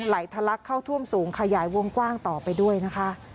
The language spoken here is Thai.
ทะลักเข้าท่วมสูงขยายวงกว้างต่อไปด้วยนะคะ